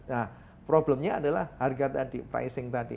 nah problemnya adalah harga tadi pricing tadi